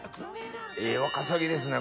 ええワカサギですね